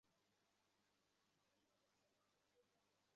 একে আলোর প্রতিসরণ বলে।